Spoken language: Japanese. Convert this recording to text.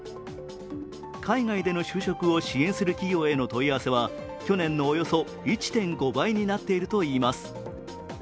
海外での就職を支援する企業への問い合わせは去年のおよそ１．５倍になっているといいます。